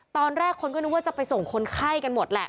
ตอนแรกคนก็นึกว่าจะไปส่งคนไข้กันหมดแหละ